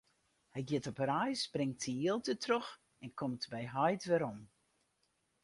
Hy giet op reis, bringt syn jild dertroch en komt by heit werom.